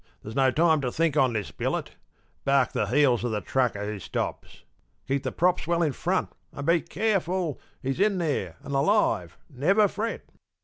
There's no time to think on this billet! Bark the heels of the trucker who stops! Keep the props well in front, and be careful. He's in there, and alive, never fret."